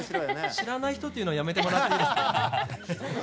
知らない人っていうのはやめてもらっていい？